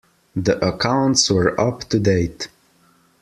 The accounts were up to date.